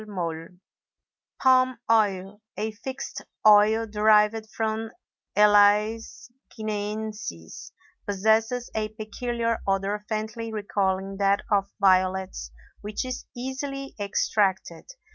Palm oil, a fixed oil derived from Elais guineensis, possesses a peculiar odor faintly recalling that of violets which is easily extracted.